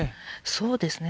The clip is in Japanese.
そうですね。